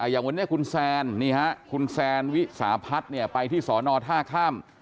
อย่างวันนี้คุณแซนนี่ฮะคุณแซนวิสาพัฒน์เนี่ยไปที่สอนอท๕ค่ำ